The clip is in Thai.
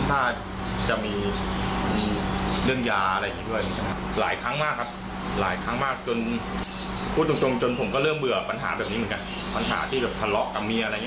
ปัญหาที่แบบทะเลาะกับเมียอะไรอย่างนี้